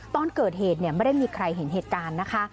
ตอนเกิดเหตุไม่ได้มีใครเห็นเหตุการณ์นะคะ